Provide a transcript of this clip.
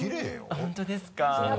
本当ですか？